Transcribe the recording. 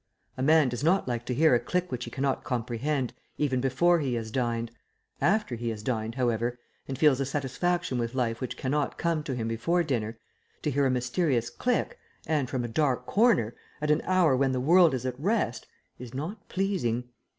A man does not like to hear a click which he cannot comprehend, even before he has dined. After he has dined, however, and feels a satisfaction with life which cannot come to him before dinner, to hear a mysterious click, and from a dark corner, at an hour when the world is at rest, is not pleasing.